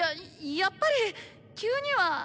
やっぱり急には。